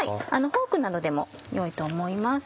フォークなどでも良いと思います。